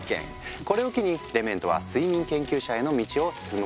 これを機にデメントは睡眠研究者への道を進むことを決めたんだ。